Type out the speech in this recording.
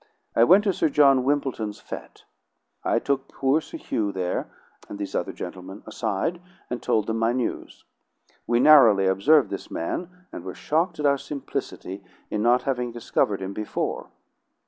I went to Sir John Wimpledon's. I took poor Sir Hugh, there, and these other gentlemen aside, and told them my news. We narrowly observed this man, and were shocked at our simplicity in not having discovered him before.